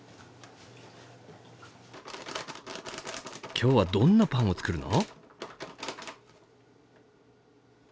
今日はどんなパンを作るの？